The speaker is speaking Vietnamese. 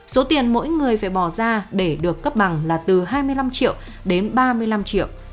số tiền mỗi người phải bỏ ra để được cấp bằng là từ hai mươi năm triệu đến ba mươi năm triệu